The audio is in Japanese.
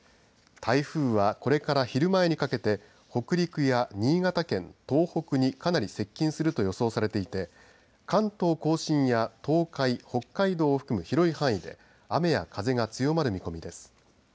台風は、これから昼前にかけて北陸や新潟県、東北にかなり接近すると予想されていて関東甲信や東海北海道を含む広い範囲で雨や風が強まる見込みです。